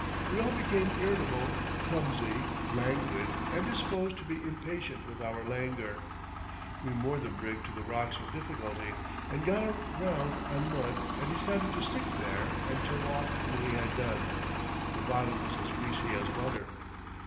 We all became irritable, clumsy, languid and disposed to be impatient with our languor. We moored the brig to the rocks with difficulty, and got aground on mud and decided to stick there and tow off when we had done—the bottom was as greasy as butter.